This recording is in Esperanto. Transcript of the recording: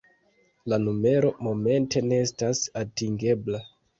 La numero momente ne estas atingebla...